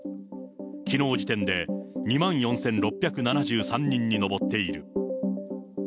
きのう時点で、２万４６７３人に上っている。